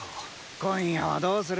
今夜はどうする？